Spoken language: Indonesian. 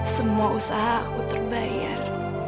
semua usaha aku terbayar